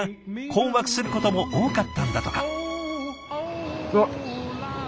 困惑することも多かったんだとか。